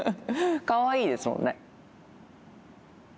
かわいいですもんね。